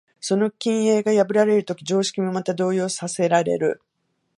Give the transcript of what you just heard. その均衡が破られるとき、常識もまた動揺させられる。